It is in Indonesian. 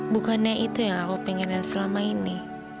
bukannya itu yang aku pengennya selama ini